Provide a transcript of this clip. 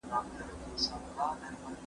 هغه څوک چي اوبه څښي قوي وي